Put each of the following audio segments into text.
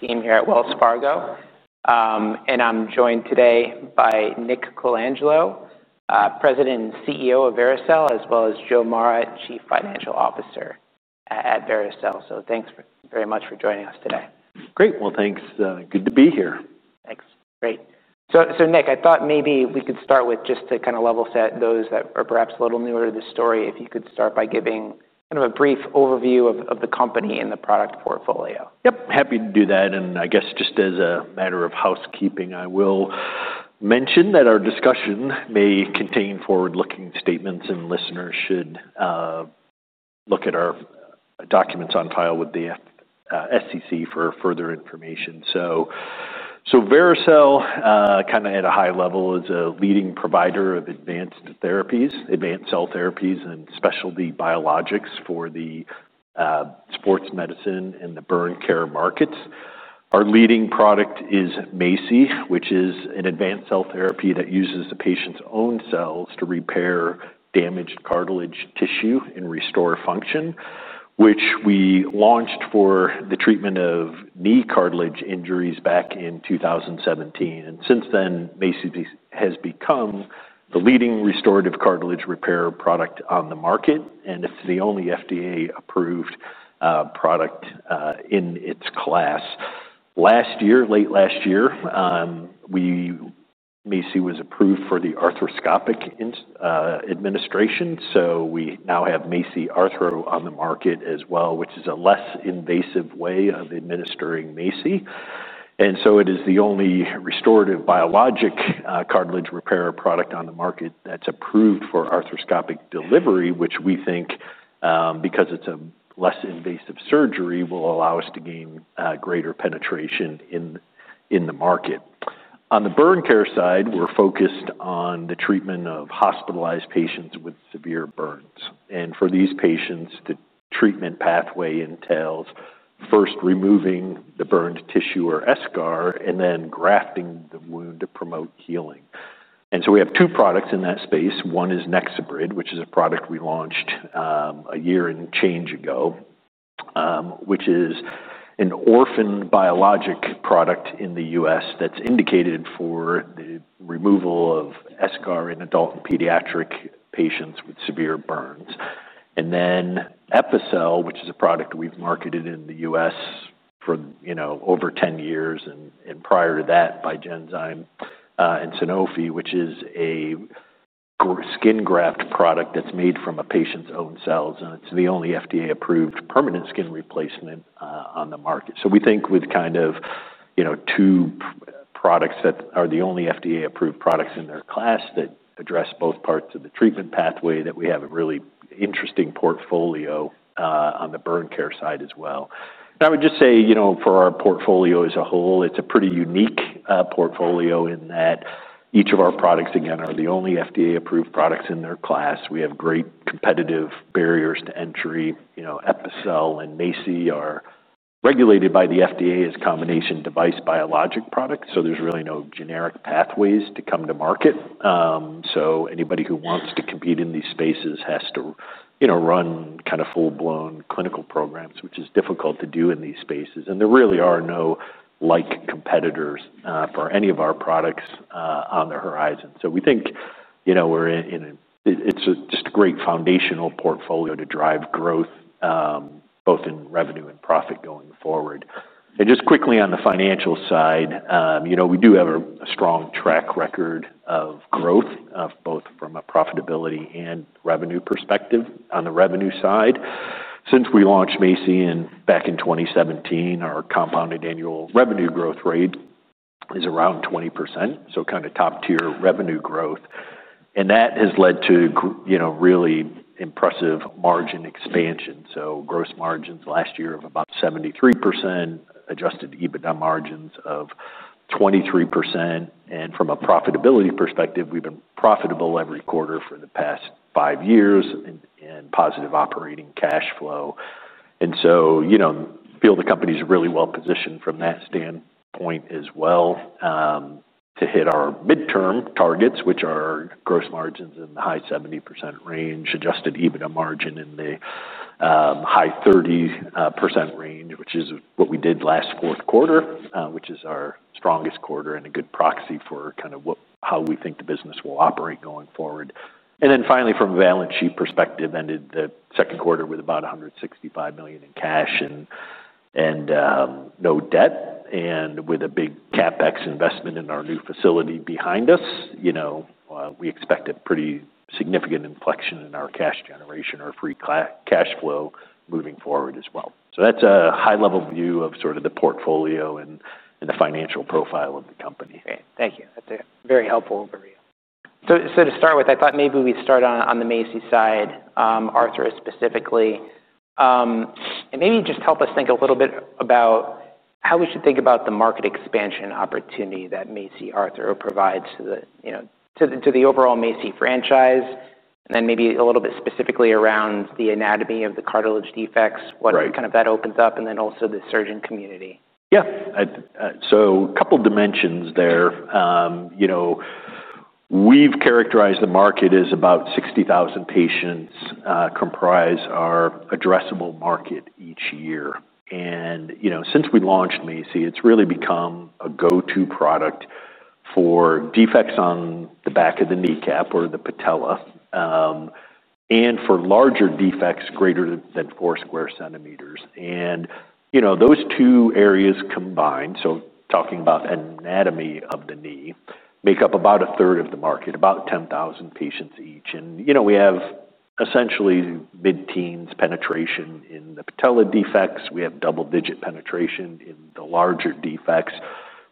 Team here at Wells Fargo. I'm joined today by Nick Colangelo, President and CEO of Vericel, as well as Joe Mara, Chief Financial Officer at Vericel. Thanks very much for joining us today. Great. Thanks, good to be here. Thanks. Great. Nick, I thought maybe we could start with just to kind of level set those that are perhaps a little newer to the story, if you could start by giving kind of a brief overview of the company and the product portfolio. Yep. Happy to do that. I guess just as a matter of housekeeping, I will mention that our discussion may contain forward-looking statements, and listeners should look at our documents on file with the SEC for further information. Vericel, kind of at a high level, is a leading provider of advanced therapies, advanced cell therapies, and specialty biologics for the sports medicine and the burn care markets. Our leading product is MACI, which is an advanced cell therapy that uses the patient's own cells to repair damaged cartilage tissue and restore function, which we launched for the treatment of knee cartilage injuries back in 2017. Since then, MACI has become the leading restorative cartilage repair product on the market, and it's the only FDA-approved product in its class. Late last year, MACI was approved for the arthroscopic administration. We now have MACI Arthro on the market as well, which is a less invasive way of administering MACI. It is the only restorative biologic cartilage repair product on the market that's approved for arthroscopic delivery, which we think, because it's a less invasive surgery, will allow us to gain greater penetration in the market. On the burn care side, we're focused on the treatment of hospitalized patients with severe burns. For these patients, the treatment pathway entails first removing the burned tissue or eschar and then grafting the wound to promote healing. We have two products in that space. One is NexoBrid, which is a product we launched a year and change ago, which is an orphan biologic product in the U.S. that's indicated for the removal of eschar in adult and pediatric patients with severe burns. Then Epicel, which is a product we've marketed in the U.S. for over 10 years, and prior to that, by Genzyme and Sanofi, which is a skin graft product that's made from a patient's own cells. It's the only FDA-approved permanent skin replacement on the market. We think with two products that are the only FDA-approved products in their class that address both parts of the treatment pathway, that we have a really interesting portfolio on the burn care side as well. I would just say, for our portfolio as a whole, it's a pretty unique portfolio in that each of our products, again, are the only FDA-approved products in their class. We have great competitive barriers to entry. Epicel and MACI are regulated by the FDA as combination device biologic products. There is really no generic pathway to come to market, so anybody who wants to compete in these spaces has to run kind of full-blown clinical programs, which is difficult to do in these spaces. There really are no competitors for any of our products on the horizon. We think we're in just a great foundational portfolio to drive growth, both in revenue and profit going forward. Just quickly on the financial side, we do have a strong track record of growth, both from a profitability and revenue perspective. On the revenue side, since we launched MACI back in 2017, our compounded annual revenue growth rate is around 20%. That is kind of top-tier revenue growth, and that has led to really impressive margin expansion. Gross margins last year were about 73%, adjusted EBITDA margins of 23%. From a profitability perspective, we've been profitable every quarter for the past five years and positive operating cash flow. We feel the company is really well positioned from that standpoint as well to hit our midterm targets, which are gross margins in the high 70% range, adjusted EBITDA margin in the high 30% range, which is what we did last fourth quarter, which is our strongest quarter and a good proxy for how we think the business will operate going forward. Finally, from a balance sheet perspective, we ended the second quarter with about $165 million in cash and no debt. With a big CapEx investment in our new facility behind us, we expect a pretty significant inflection in our cash generation or free cash flow moving forward as well. That is a high-level view of the portfolio and the financial profile of the company. Great. Thank you. That's a very helpful overview. To start with, I thought maybe we start on the MACI side, Arthro specifically, and maybe just help us think a little bit about how we should think about the market expansion opportunity that MACI Arthro provides to the overall MACI franchise, and then maybe a little bit specifically around the anatomy of the cartilage defects, what kind of that opens up, and then also the surgeon community. Yeah. So a couple of dimensions there. You know, we've characterized the market as about 60,000 patients comprise our addressable market each year. You know, since we launched MACI, it's really become a go-to product for defects on the back of the kneecap or the patella, and for larger defects greater than four square centimeters. Those two areas combined, talking about anatomy of the knee, make up about a third of the market, about 10,000 patients each. We have essentially mid-teens penetration in the patella defects. We have double-digit penetration in the larger defects.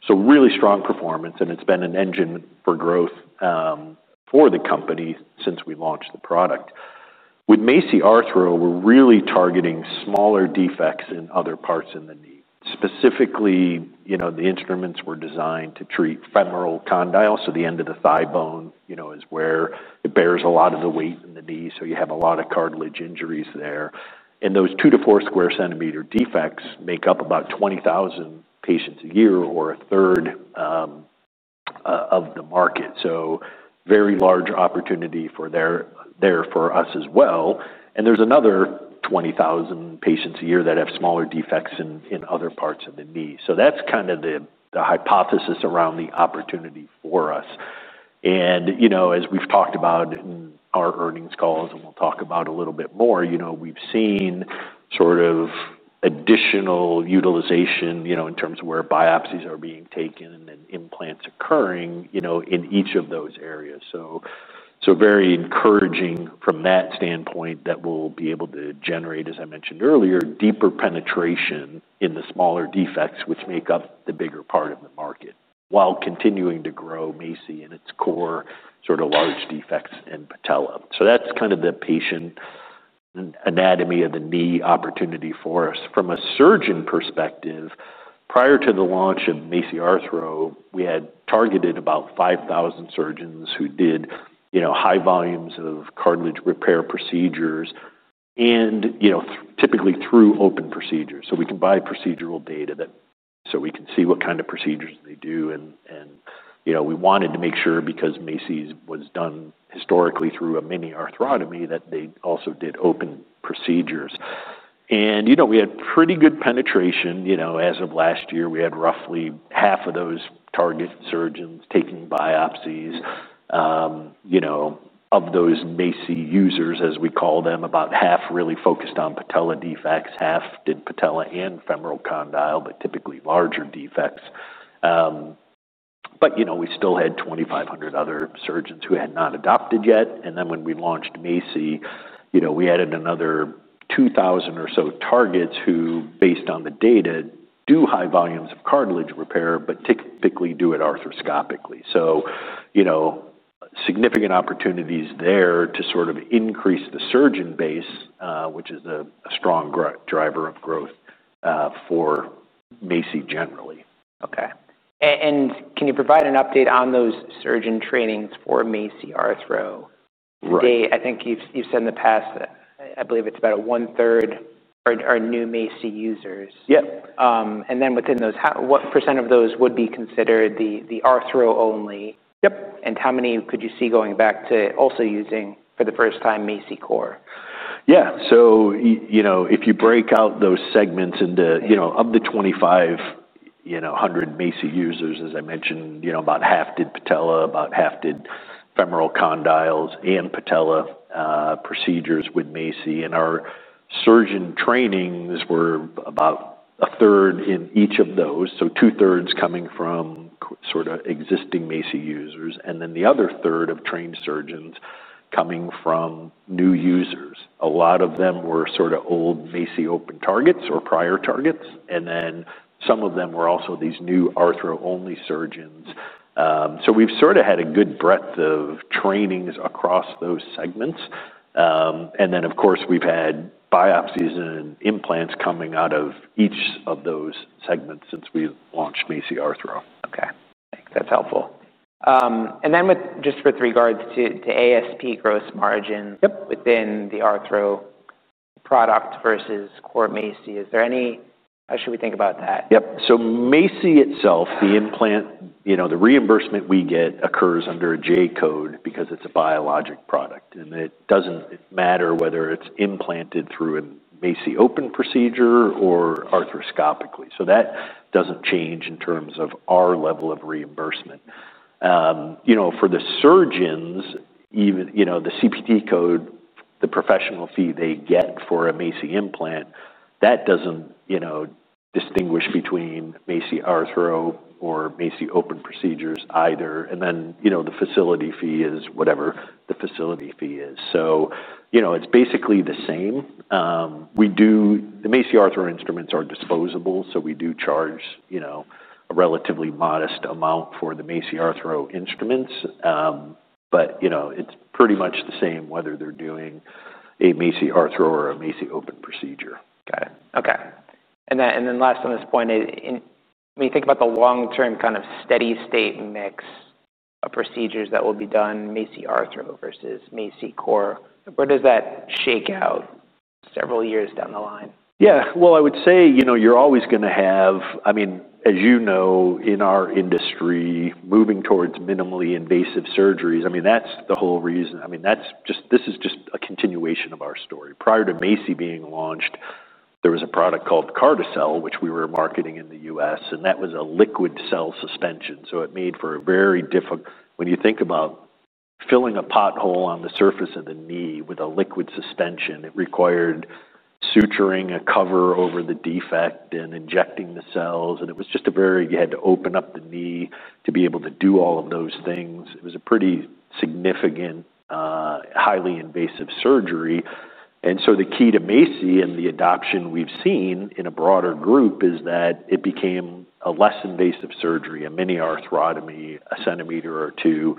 Really strong performance, and it's been an engine for growth for the company since we launched the product. With MACI Arthro, we're really targeting smaller defects in other parts in the knee. Specifically, the instruments were designed to treat femoral condyle. The end of the thigh bone is where it bears a lot of the weight in the knee, so you have a lot of cartilage injuries there. Those 2 sq cm to 4 sq cm defects make up about 20,000 patients a year, or 1/3 of the market. Very large opportunity there for us as well. There's another 20,000 patients a year that have smaller defects in other parts of the knee. That's kind of the hypothesis around the opportunity for us. As we've talked about in our earnings calls, and we'll talk about a little bit more, we've seen sort of additional utilization in terms of where biopsies are being taken and implants occurring in each of those areas. Very encouraging from that standpoint that we'll be able to generate, as I mentioned earlier, deeper penetration in the smaller defects, which make up the bigger part of the market while continuing to grow MACI in its core large defects and patella. That's kind of the patient anatomy of the knee opportunity for us. From a surgeon perspective, prior to the launch of MACI Arthro, we had targeted about 5,000 surgeons who did high volumes of cartilage repair procedures, typically through open procedures. We can buy procedural data so we can see what kind of procedures they do. We wanted to make sure because MACI was done historically through a mini-arthrotomy that they also did open procedures. We had pretty good penetration. As of last year, we had roughly half of those target surgeons taking biopsies. Of those MACI users, as we call them, about half really focused on patella defects, half did patella and femoral condyle, but typically larger defects. We still had 2,500 other surgeons who had not adopted yet. When we launched MACI, we added another 2,000 or so targets who, based on the data, do high volumes of cartilage repair, but typically do it arthroscopically. There are significant opportunities there to sort of increase the surgeon base, which is a strong driver of growth for MACI generally. Okay. Can you provide an update on those surgeon trainings for MACI Arthro? Right. I think you've said in the past that I believe it's about 1/3 are new MACI users. Yep. Within those, what percent of those would be considered the Arthro only? Yep. How many could you see going back to also using for the first time MACI core? Yeah. If you break out those segments into, you know, of the 2,500 MACI users, as I mentioned, about half did patella, about half did femoral condyles and patella procedures with MACI. Our surgeon trainings were about 1/3 in each of those. Two-thirds coming from sort of existing MACI users, and then the other 1/3 of trained surgeons coming from new users. A lot of them were sort of old MACI open targets or prior targets, and then some of them were also these new Arthro-only surgeons. We've sort of had a good breadth of trainings across those segments, and then, of course, we've had biopsies and implants coming out of each of those segments since we launched MACI Arthro. Okay. Thanks. That's helpful. With regards to ASP gross margin within the Arthro product versus core MACI, is there any, how should we think about that? Yep. MACI itself, the implant, you know, the reimbursement we get occurs under a J-c ode because it's a biologic product. It doesn't matter whether it's implanted through a MACI open procedure or arthroscopically. That doesn't change in terms of our level of reimbursement. You know, for the surgeons, even, you know, the CPT code, the professional fee they get for a MACI implant, that doesn't, you know, distinguish between MACI Arthro or MACI open procedures either. The facility fee is whatever the facility fee is. It's basically the same. We do, the MACI Arthro instruments are disposable, so we do charge, you know, a relatively modest amount for the MACI Arthro instruments. It's pretty much the same whether they're doing a MACI Arthro or a MACI open procedure. Got it. Okay. When you think about the long-term kind of steady-state mix of procedures that will be done MACI Arthro versus MACI core, where does that shake out several years down the line? Yeah. I would say, you know, you're always going to have, I mean, as you know, in our industry, moving towards minimally invasive surgeries, that's the whole reason. That's just, this is just a continuation of our story. Prior to MACI being launched, there was a product called Carticel, which we were marketing in the U.S., and that was a liquid cell suspension. It made for a very difficult, when you think about filling a pothole on the surface of the knee with a liquid suspension, it required suturing a cover over the defect and injecting the cells. It was just a very, you had to open up the knee to be able to do all of those things. It was a pretty significant, highly invasive surgery. The key to MACI and the adoption we've seen in a broader group is that it became a less invasive surgery, a mini-arthrotomy, a centimeter or two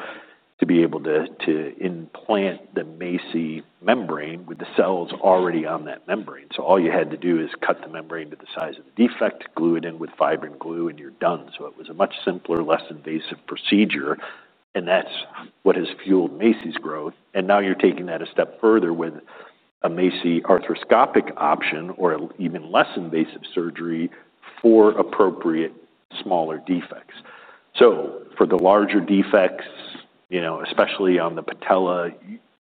to be able to implant the MACI membrane with the cells already on that membrane. All you had to do is cut the membrane to the size of the defect, glue it in with fibrin glue, and you're done. It was a much simpler, less invasive procedure. That's what has fueled MACI's growth. Now you're taking that a step further with a MACI arthroscopic option or even less invasive surgery for appropriate smaller defects. For the larger defects, especially on the patella,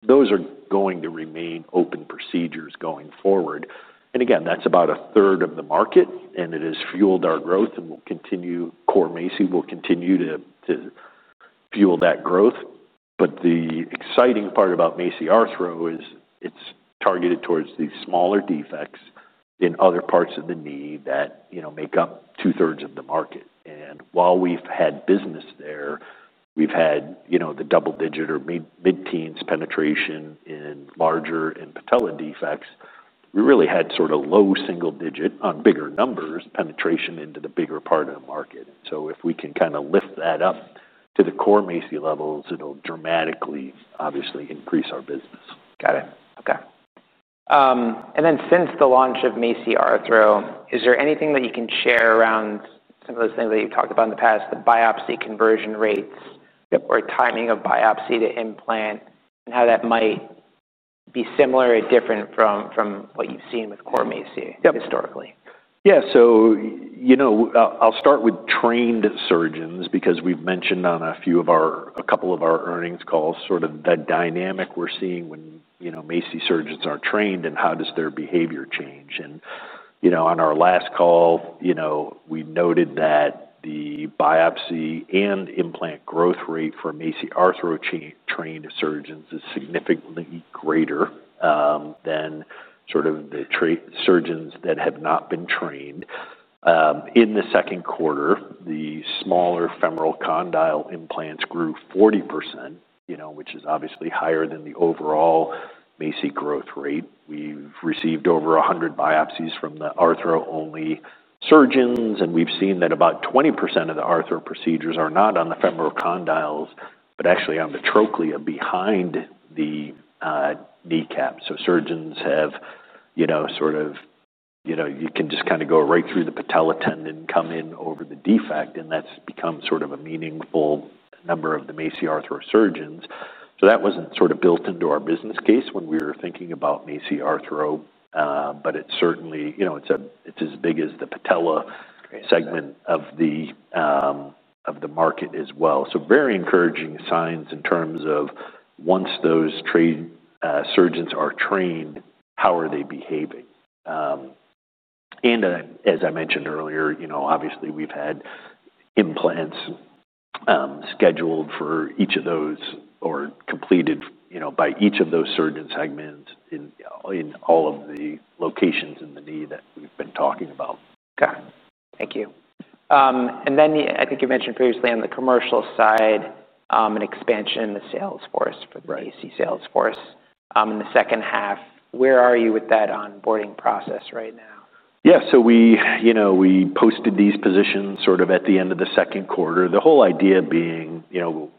those are going to remain open procedures going forward. That's about 1/3 of the market, and it has fueled our growth and will continue, core MACI will continue to fuel that growth. The exciting part about MACI Arthro is it's targeted towards the smaller defects in other parts of the knee that make up 2/3 of the market. While we've had business there, we've had the double-digit or mid-teens penetration in larger and patella defects, we really had sort of low single-digit on bigger numbers penetration into the bigger part of the market. If we can kind of lift that up to the core MACI levels, it'll dramatically, obviously, increase our business. Got it. Okay. Since the launch of MACI Arthro, is there anything that you can share around some of those things that you've talked about in the past, the biopsy conversion rates or timing of biopsy to implant, and how that might be similar or different from what you've seen with core MACI historically? Yeah. I'll start with trained surgeons because we've mentioned on a few of our, a couple of our earnings calls, the dynamic we're seeing when MACI surgeons are trained and how their behavior changes. On our last call, we noted that the biopsy and implant growth rate for MACI Arthro trained surgeons is significantly greater than the surgeons that have not been trained. In the second quarter, the smaller femoral condyle implants grew 40%, which is obviously higher than the overall MACI growth rate. We've received over 100 biopsies from the Arthro-only surgeons, and we've seen that about 20% of the Arthro procedures are not on the femoral condyles but actually on the trochlea behind the kneecap. Surgeons have, you can just kind of go right through the patella tendon, come in over the defect, and that's become a meaningful number of the MACI Arthro surgeons. That wasn't built into our business case when we were thinking about MACI Arthro, but it's certainly as big as the patella segment of the market as well. Very encouraging signs in terms of once those trained surgeons are trained, how are they behaving? As I mentioned earlier, obviously, we've had implants scheduled for each of those or completed by each of those surgeon segments in all of the locations in the knee that we've been talking about. Okay. Thank you. I think you mentioned previously on the commercial side, an expansion in the sales force for the MACI sales force in the second half. Where are you with that onboarding process right now? Yeah. We posted these positions at the end of the second quarter. The whole idea being,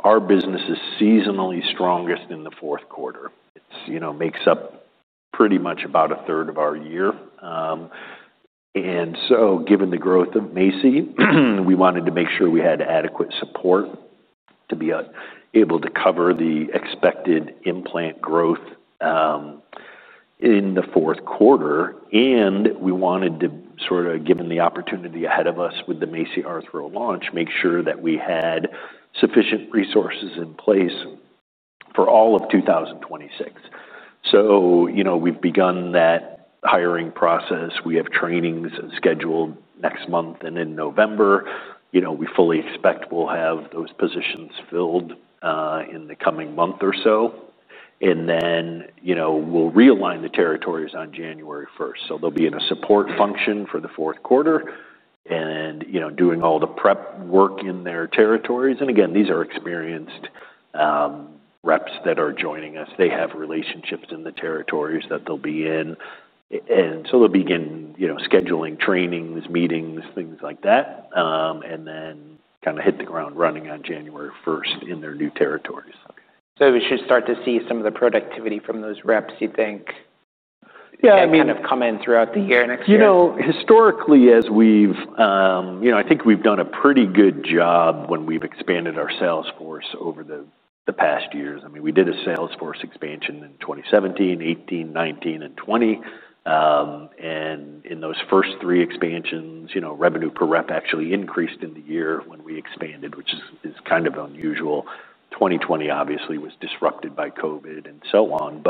our business is seasonally strongest in the fourth quarter. It makes up pretty much about 1/3 of our year, and given the growth of MACI, we wanted to make sure we had adequate support to be able to cover the expected implant growth in the fourth quarter. We wanted to, given the opportunity ahead of us with the MACI Arthro launch, make sure that we had sufficient resources in place for all of 2026. We've begun that hiring process. We have trainings scheduled next month and in November. We fully expect we'll have those positions filled in the coming month or so. We'll realign the territories on January 1st. They'll be in a support function for the fourth quarter and doing all the prep work in their territories. These are experienced reps that are joining us. They have relationships in the territories that they'll be in. They'll begin scheduling trainings, meetings, things like that, and then hit the ground running on January 1st in their new territories. We should start to see some of the productivity from those reps, you think. Yeah, I mean. Kind of come in throughout the year next year? You know, historically, as we've, you know, I think we've done a pretty good job when we've expanded our sales force over the past years. I mean, we did a sales force expansion in 2017, 2018, 2019, and 2020. In those first three expansions, revenue per rep actually increased in the year when we expanded, which is kind of unusual. 2020, obviously, was disrupted by COVID and so on.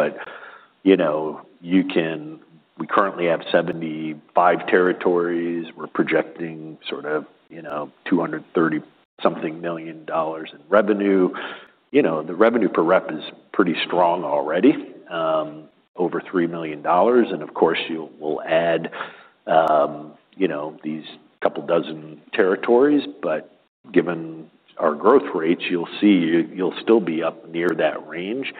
You can, we currently have 75 territories. We're projecting sort of, you know, $230-something million in revenue. The revenue per rep is pretty strong already, over $3 million. Of course, you will add these couple dozen territories. Given our growth rates, you'll see you'll still be up near that range.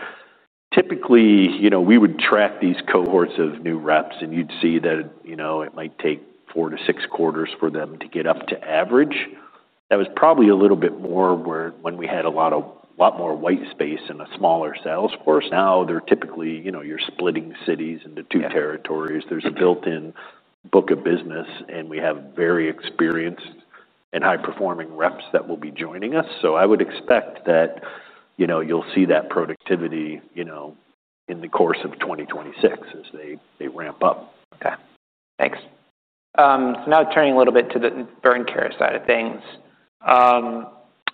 Typically, we would track these cohorts of new reps, and you'd see that it might take four to six quarters for them to get up to average. That was probably a little bit more when we had a lot more white space and a smaller sales force. Now they're typically, you're splitting cities into two territories. There's a built-in book of business, and we have very experienced and high-performing reps that will be joining us. I would expect that you'll see that productivity in the course of 2026 as they ramp up. Okay. Thanks. Now turning a little bit to the burn care side of things,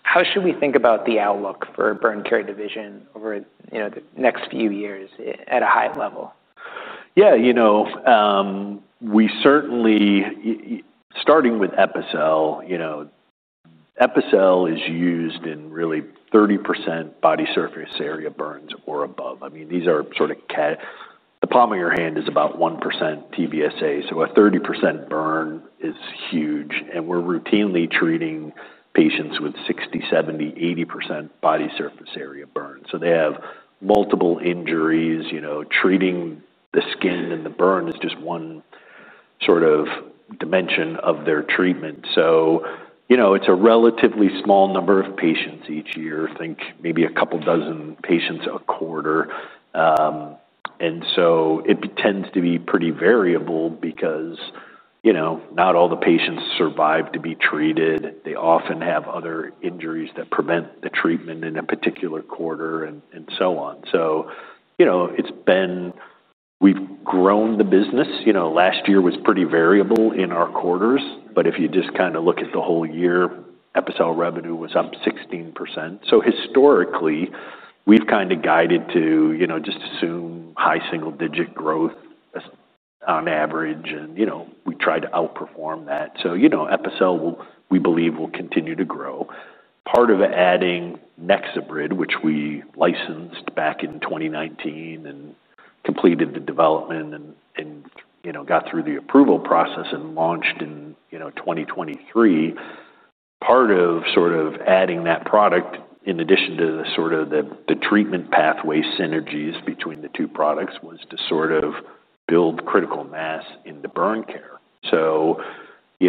how should we think about the outlook for a burn care division over, you know, the next few years at a high level? Yeah. We certainly, starting with Epicel, Epicel is used in really 30% body surface area burns or above. I mean, these are sort of, the palm of your hand is about 1% TBSA. A 30% burn is huge. We're routinely treating patients with 60%, 70%, 80% body surface area burns. They have multiple injuries, treating the skin and the burn is just one sort of dimension of their treatment. It's a relatively small number of patients each year. Think maybe a couple dozen patients a quarter, and it tends to be pretty variable because not all the patients survive to be treated. They often have other injuries that prevent the treatment in a particular quarter and so on. We've grown the business. Last year was pretty variable in our quarters. If you just kind of look at the whole year, Epicel revenue was up 16%. Historically, we've kind of guided to just assume high single-digit growth on average, and we try to outperform that. Epicel, we believe, will continue to grow. Part of adding NexoBrid, which we licensed back in 2019 and completed the development and got through the approval process and launched in 2023, part of adding that product in addition to the treatment pathway synergies between the two products was to build critical mass into burn care.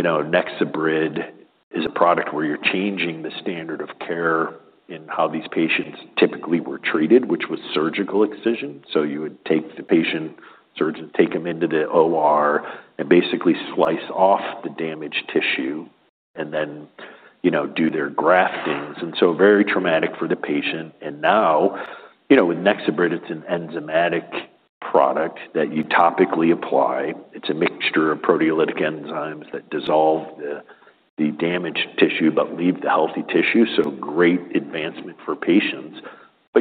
NexoBrid is a product where you're changing the standard of care in how these patients typically were treated, which was surgical excision. You would take the patient, surgeons take them into the OR and basically slice off the damaged tissue and then do their graftings. Very traumatic for the patient. Now, with NexoBrid, it's an enzymatic product that you topically apply. It's a mixture of proteolytic enzymes that dissolve the damaged tissue but leave the healthy tissue. Great advancement for patients.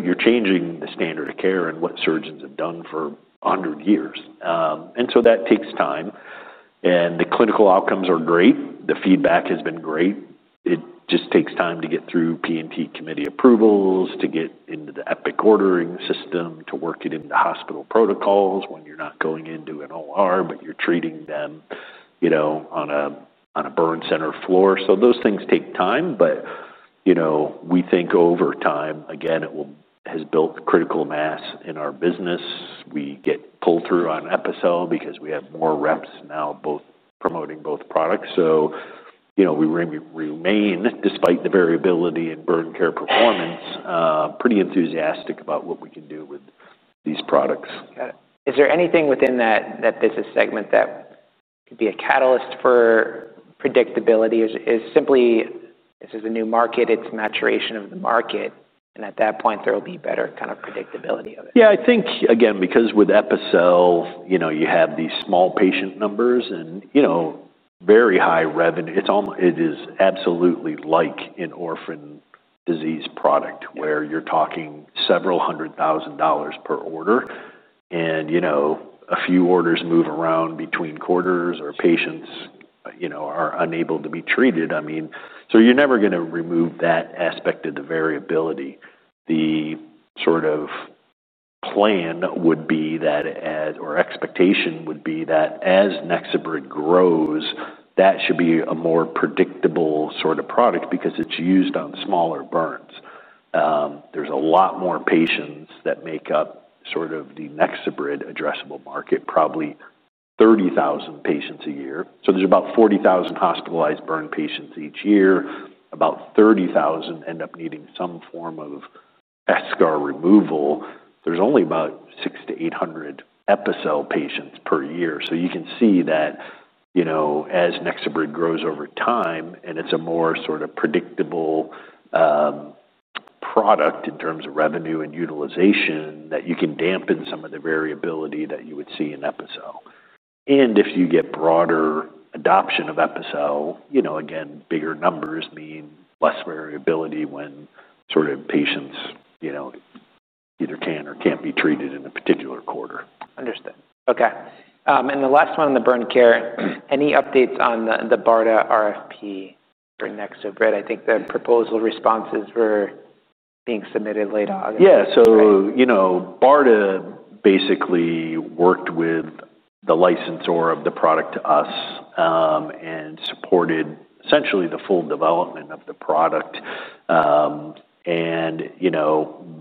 You're changing the standard of care and what surgeons have done for 100 years, and that takes time. The clinical outcomes are great. The feedback has been great. It just takes time to get through P&T committee approvals, to get into the Epic ordering system, to work it into hospital protocols when you're not going into an OR, but you're treating them on a burn center floor. Those things take time. We think over time, again, it has built critical mass in our business. We get pulled through on Epicel because we have more reps now both promoting both products. We remain, despite the variability in burn care performance, pretty enthusiastic about what we can do with these products. Got it. Is there anything within that business segment that could be a catalyst for predictability? Is it simply, this is a new market, it's maturation of the market, and at that point, there will be better kind of predictability of it? Yeah. I think, again, because with Epicel, you know, you have these small patient numbers and, you know, very high revenue. It's almost, it is absolutely like an orphan disease product where you're talking several hundred thousand dollars per order. You know, a few orders move around between quarters or patients are unable to be treated. You're never going to remove that aspect of the variability. The sort of plan would be that, or expectation would be that as NexoBrid grows, that should be a more predictable sort of product because it's used on smaller burns. There's a lot more patients that make up sort of the NexoBrid addressable market, probably 30,000 patients a year. There's about 40,000 hospitalized burn patients each year. About 30,000 end up needing some form of eschar removal. There's only about 600 - 800 Epicel patients per year. You can see that as NexoBrid grows over time, and it's a more sort of predictable product in terms of revenue and utilization, you can dampen some of the variability that you would see in Epicel. If you get broader adoption of Epicel, bigger numbers mean less variability when patients either can or can't be treated in a particular quarter. Understood. Okay. The last one in the burn care, any updates on the BARDA RFP for NexoBrid? I think the proposal responses were being submitted late August. Yeah. BARDA basically worked with the licensor of the product to us and supported essentially the full development of the product.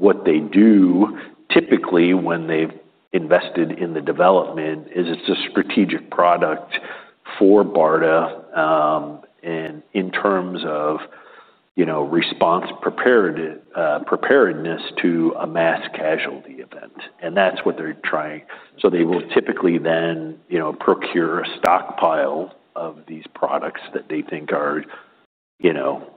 What they do typically when they've invested in the development is it's a strategic product for BARDA in terms of response preparedness to a mass casualty event. That's what they're trying. They will typically then procure a stockpile of these products that they think are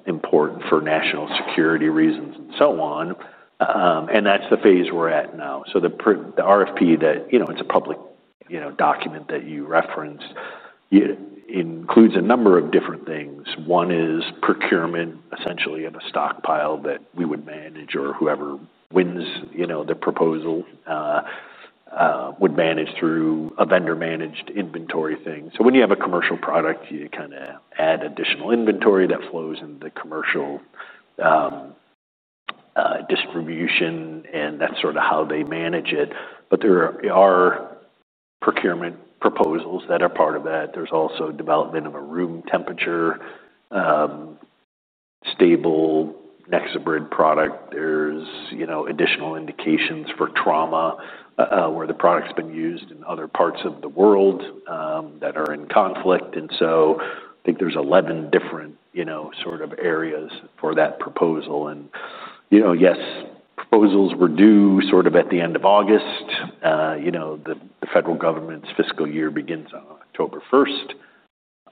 important for national security reasons and so on. That's the phase we're at now. The RFP that, you know, it's a public document that you referenced, it includes a number of different things. One is procurement, essentially, of a stockpile that we would manage or whoever wins the proposal would manage through a vendor-managed inventory thing. When you have a commercial product, you kind of add additional inventory that flows into the commercial distribution, and that's sort of how they manage it. There are procurement proposals that are part of that. There's also development of a room temperature stable NexoBrid product. There's additional indications for trauma, where the product's been used in other parts of the world that are in conflict. I think there's 11 different areas for that proposal. Yes, proposals were due sort of at the end of August. The federal government's fiscal year begins on October 1st.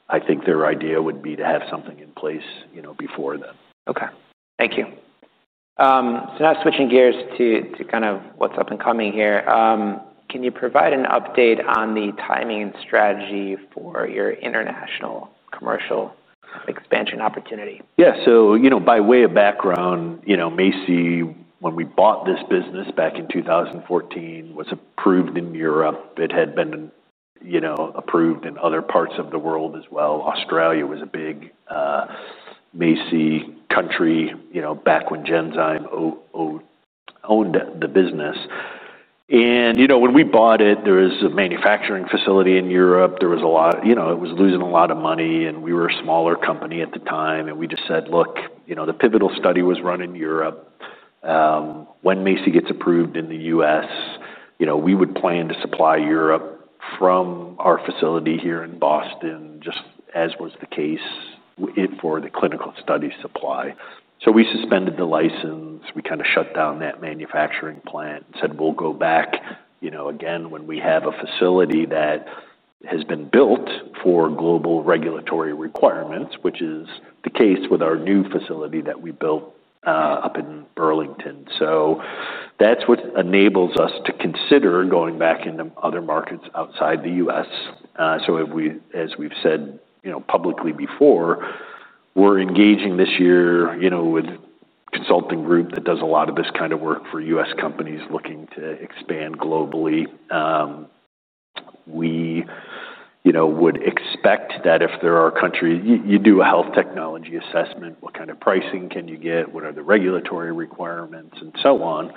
I think their idea would be to have something in place before then. Okay. Thank you. Now switching gears to what's up and coming here, can you provide an update on the timing and strategy for your international commercial expansion opportunity? Yeah. By way of background, MACI, when we bought this business back in 2014, was approved in Europe. It had been approved in other parts of the world as well. Australia was a big MACI country back when Genzyme owned the business. When we bought it, there was a manufacturing facility in Europe. It was losing a lot of money, and we were a smaller company at the time. We just said, look, the pivotal study was run in Europe. When MACI gets approved in the U.S., we would plan to supply Europe from our facility here in Boston, just as was the case for the clinical study supply. We suspended the license. We shut down that manufacturing plant and said, we'll go back again when we have a facility that has been built for global regulatory requirements, which is the case with our new facility that we built up in Burlington. That's what enables us to consider going back into other markets outside the U.S. As we've said publicly before, we're engaging this year with a consulting group that does a lot of this kind of work for U.S. companies looking to expand globally. We would expect that if there are countries, you do a health technology assessment, what kind of pricing can you get, what are the regulatory requirements, and so on,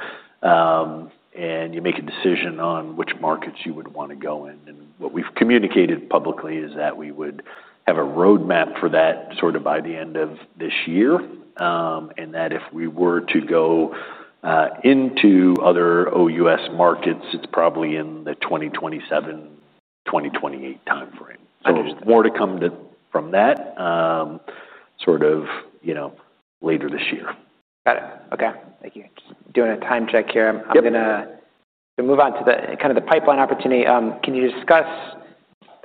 and you make a decision on which markets you would want to go in. What we've communicated publicly is that we would have a roadmap for that sort of by the end of this year, and that if we were to go into other OUS markets, it's probably in the 2027, 2028 timeframe. Understood. More to come from that later this year. Got it. Okay. Thank you. Just doing a time check here. I'm going to move on to the kind of the pipeline opportunity. Can you discuss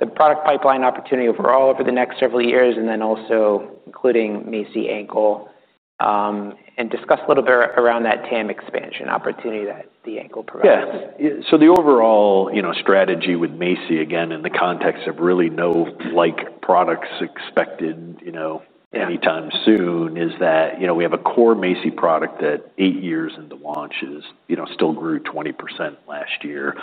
the product pipeline opportunity overall over the next several years and then also including MACI Ankle, and discuss a little bit around that TAM expansion opportunity that the ankle provides? Yeah. So the overall, you know, strategy with MACI, again, in the context of really no like products expected, you know, anytime soon, is that, you know, we have a core MACI product that eight years into launch is, you know, still grew 20% last year.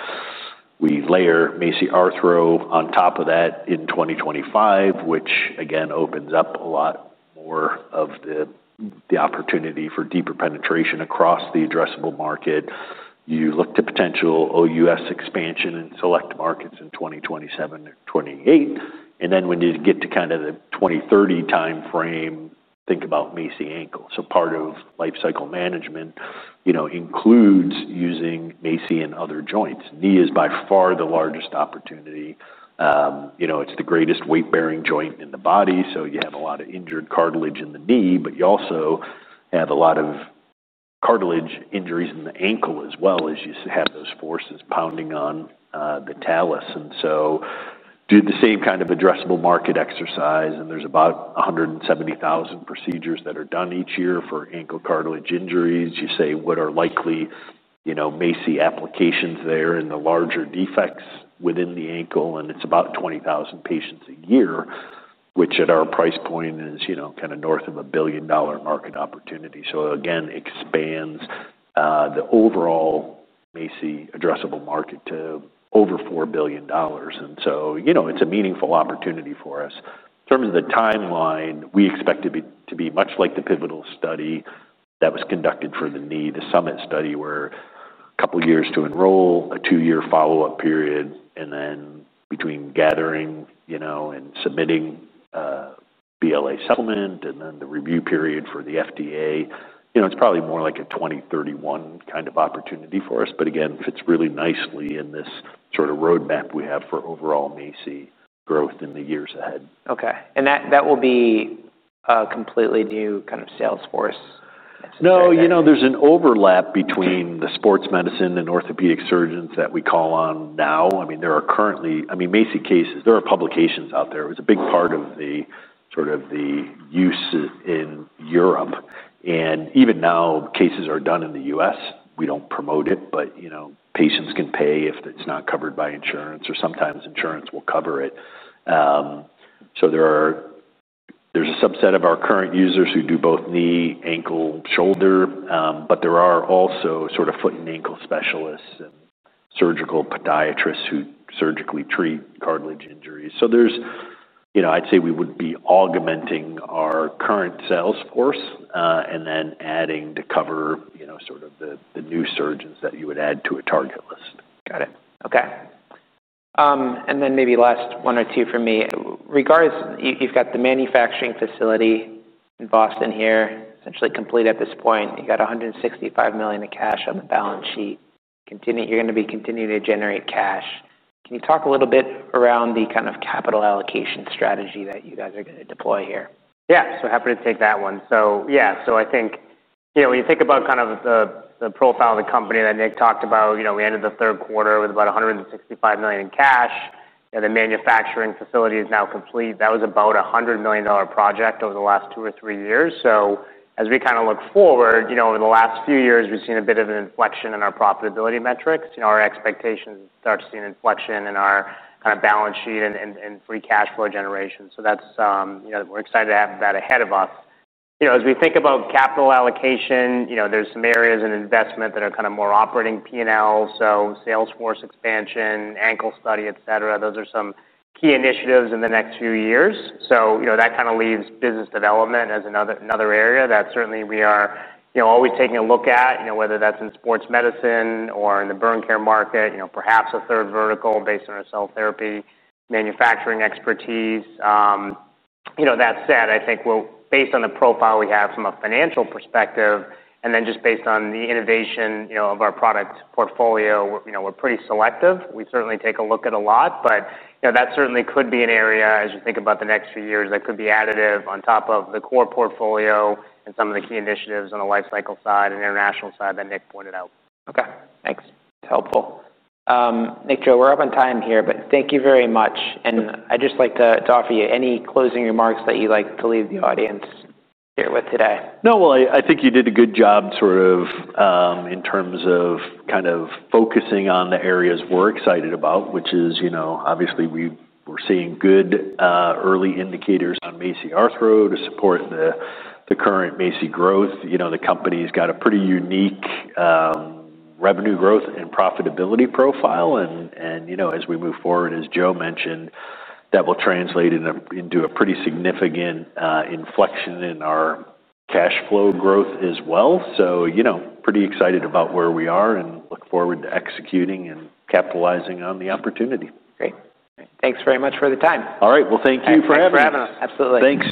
We layer MACI Arthro on top of that in 2025, which, again, opens up a lot more of the opportunity for deeper penetration across the addressable market. You look to potential OUS expansion in select markets in 2027 or 2028. When you get to kind of the 2030 timeframe, think about MACI Ankle. Part of lifecycle management, you know, includes using MACI in other joints. Knee is by far the largest opportunity. You know, it's the greatest weight-bearing joint in the body. You have a lot of injured cartilage in the knee, but you also have a lot of cartilage injuries in the ankle as well as you have those forces pounding on the talus. Do the same kind of addressable market exercise. There's about 170,000 procedures that are done each year for ankle cartilage injuries. You say what are likely, you know, MACI applications there in the larger defects within the ankle. It's about 20,000 patients a year, which at our price point is, you know, kind of north of a $1 billion market opportunity. Again, expands the overall MACI addressable market to over $4 billion. You know, it's a meaningful opportunity for us. In terms of the timeline, we expect it to be much like the pivotal study that was conducted for the knee, the SUMMIT Study where a couple of years to enroll, a two-year follow-up period, and then between gathering, you know, and submitting, BLA settlement, and then the review period for the FDA. You know, it's probably more like a 2031 kind of opportunity for us. Again, fits really nicely in this sort of roadmap we have for overall MACI growth in the years ahead. Okay. That will be a completely new kind of sales force? No, there's an overlap between the sports medicine and orthopedic surgeons that we call on now. There are currently MACI cases, there are publications out there. It was a big part of the use in Europe, and even now, cases are done in the U.S. We don't promote it, but patients can pay if it's not covered by insurance, or sometimes insurance will cover it. There's a subset of our current users who do both knee, ankle, shoulder, but there are also foot and ankle specialists and surgical podiatrists who surgically treat cartilage injuries. I'd say we would be augmenting our current sales force and then adding to cover the new surgeons that you would add to a target list. Got it. Okay. Maybe last one or two from me. Regardless, you've got the manufacturing facility in Boston here, essentially complete at this point. You got $165 million in cash on the balance sheet. You're going to be continuing to generate cash. Can you talk a little bit around the kind of capital allocation strategy that you guys are going to deploy here? Yeah. Happy to take that one. I think, you know, when you think about kind of the profile of the company that Nick talked about, we ended the third quarter with about $165 million in cash. The manufacturing facility is now complete. That was about a $100 million project over the last two or three years. As we kind of look forward, over the last few years, we've seen a bit of an inflection in our profitability metrics. Our expectations start to see an inflection in our kind of balance sheet and free cash flow generation. That's, you know, we're excited to have that ahead of us. As we think about capital allocation, there's some areas in investment that are kind of more operating P&L. Sales force expansion, ankle study, etc. Those are some key initiatives in the next few years. That kind of leaves business development as another area that certainly we are always taking a look at, whether that's in sports medicine or in the burn care market, perhaps a third vertical based on our cell therapy manufacturing expertise. That said, I think we'll, based on the profile we have from a financial perspective, and then just based on the innovation of our product portfolio, we're pretty selective. We certainly take a look at a lot. That certainly could be an area as you think about the next few years that could be additive on top of the core portfolio and some of the key initiatives on the lifecycle side and international side that Nick pointed out. Okay. Thanks. That's helpful. Nick, Joe, we're up on time here, but thank you very much. I'd just like to offer you any closing remarks that you'd like to leave the audience here with today? I think you did a good job, sort of, in terms of kind of focusing on the areas we're excited about, which is, you know, obviously, we're seeing good, early indicators on MACI Arthro to support the current MACI growth. You know, the company's got a pretty unique revenue growth and profitability profile, and, you know, as we move forward, as Joe mentioned, that will translate into a pretty significant inflection in our cash flow growth as well. You know, pretty excited about where we are and look forward to executing and capitalizing on the opportunity. Great. Thanks very much for the time. All right. Thank you for having us. Absolutely. Thanks.